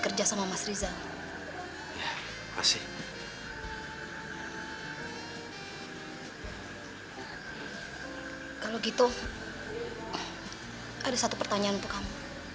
kalau gitu ada satu pertanyaan untuk kamu